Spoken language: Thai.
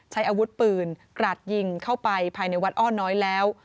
ใช้อาวุธปืนกราดยิงเข้าไปภายในวัดอ้อน้อยแล้ว